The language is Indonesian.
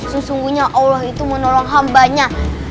sesungguhnya allah itu menolong hambanya